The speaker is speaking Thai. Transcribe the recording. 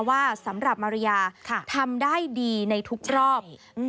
ว่าสำหรับมาริยาทำได้ดีในทุกรอบ